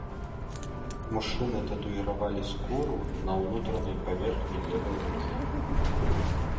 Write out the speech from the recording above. Мужчыны татуіравалі скуру на ўнутранай паверхні левай рукі.